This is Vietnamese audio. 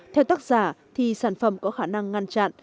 theo tác giả thì sản phẩm có khả năng ngăn chặn